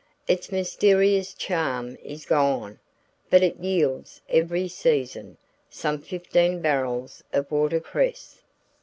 Its mysterious charm is gone, but it yields, every season, some fifteen barrels of watercress.